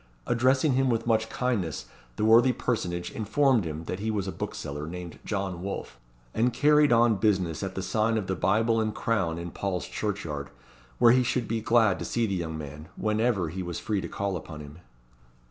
Addressing him with much kindness, the worthy personage informed him that he was a bookseller, named John Wolfe, and carried on business at the sign of the Bible and Crown in Paul's Churchyard, where he should be glad to see the young man, whenever he was free to call upon him.